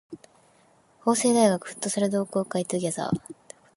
法政大学フットサル同好会 together